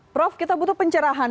prof kita butuh pencerahan